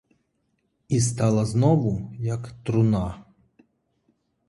І стала знову, як труна.